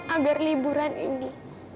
agar liburan ini